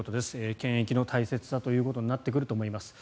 検疫の大切さということになってくると思います。